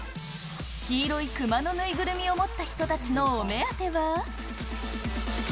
黄色い熊の縫いぐるみを持った人たちのお目当ては？